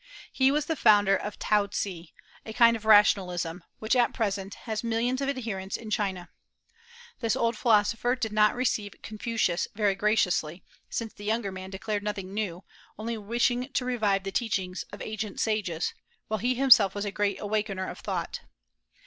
He was the founder of Tao tze, a kind of rationalism, which at present has millions of adherents in China. This old philosopher did not receive Confucius very graciously, since the younger man declared nothing new, only wishing to revive the teachings of ancient sages, while he himself was a great awakener of thought.